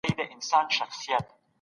تاریخپوهانو تاریخ پر دوو برخو ویشلی دئ.